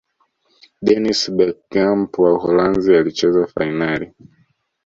dennis berkgamp wa uholanzi alicheza fainali